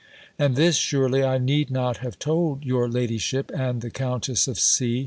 And this, surely, I need not have told your ladyship, and the Countess of C.